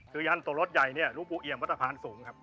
คือยันต์โสรศใหญ่เนี่ยลุงปุเยี่ยมวัตถภารสูงครับ